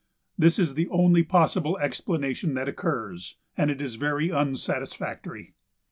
This is the only possible explanation that occurs, and it is very unsatisfactory.